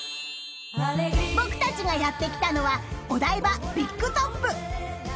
［僕たちがやって来たのはお台場ビッグトップ］